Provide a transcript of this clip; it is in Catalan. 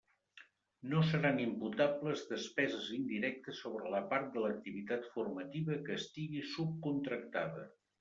No seran imputables despeses indirectes sobre la part de l'activitat formativa que estigui subcontractada.